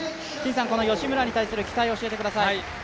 吉村に対する期待教えてください。